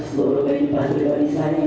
seluruh keimpansi dari saya